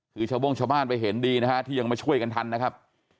คือชาวโบ้งชาวบ้านไปเห็นดีนะฮะที่ยังมาช่วยกันทันนะครับ